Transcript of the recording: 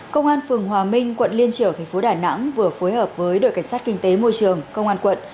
công an phường hòa minh quận liên triều tp đà nẵng vừa phối hợp với đội cảnh sát kinh tế môi trường công an quận